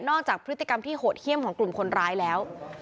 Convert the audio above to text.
จากพฤติกรรมที่โหดเยี่ยมของกลุ่มคนร้ายแล้ว